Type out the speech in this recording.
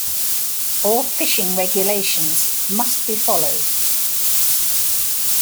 All fishing regulations must be followed.